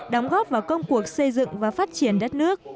đóng góp vào công cuộc xây dựng và phát triển đất nước